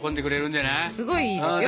すごいいいですよ